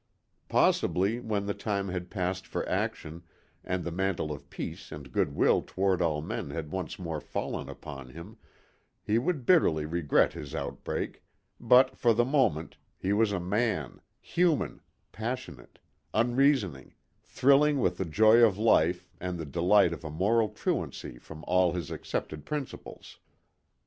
Possibly, when the time had passed for action, and the mantle of peace and good will toward all men had once more fallen upon him, he would bitterly regret his outbreak, but, for the moment, he was a man, human, passionate, unreasoning, thrilling with the joy of life, and the delight of a moral truancy from all his accepted principles.